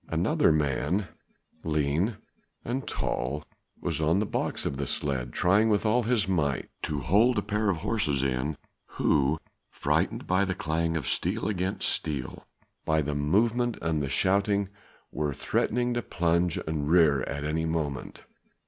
Another man, lean and tall, was on the box of the sledge, trying with all his might to hold a pair of horses in, who frightened by the clang of steel against steel, by the movement and the shouting, were threatening to plunge and rear at any moment.